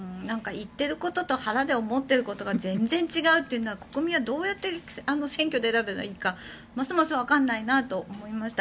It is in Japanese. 言っていることと腹で思っていることが全然違うというのは国民はどうやって選挙で選べばいいかますますわからないなと思いました。